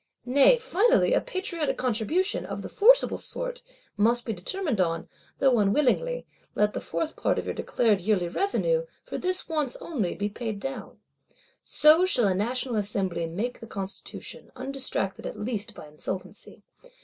Nay finally, a Patriotic Contribution, of the forcible sort, must be determined on, though unwillingly: let the fourth part of your declared yearly revenue, for this once only, be paid down; so shall a National Assembly make the Constitution, undistracted at least by insolvency.